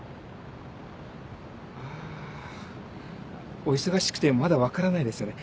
あぁお忙しくてまだ分からないですよね。